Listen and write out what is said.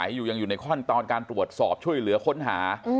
ใจสงสัยอยู่อยู่ในข้อนตอนการตรวจสอบช่วยเหลือค้นหา